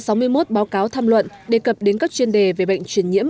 tại hội nghị đã có sáu mươi một báo cáo tham luận đề cập đến các chuyên đề về bệnh truyền nhiễm